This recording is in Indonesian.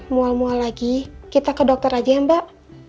mual mual lagi kita ke dokter aja mbak